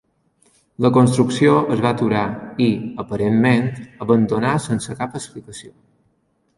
La construcció es va aturar i, aparentment, abandonar sense cap explicació.